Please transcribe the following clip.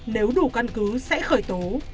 nếu đủ căn cứ sẽ khởi tố